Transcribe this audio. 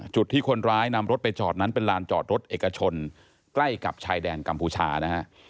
จุดที่คนร้ายนำรถไปจอดนั้นเป็นลานจอดรถเอกชนใกล้กับชายแดนกัมพูชานะฮะ